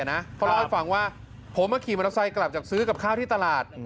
เขาเล่าให้ฟังว่าผมขี่มอเตอร์ไซค์กลับจากซื้อกับข้าวที่ตลาด